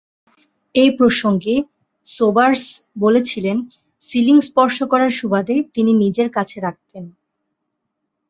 এ প্রসঙ্গে সোবার্স বলেছিলেন, সিলিং স্পর্শ করার সুবাদে তিনি নিজের কাছে রাখতেন।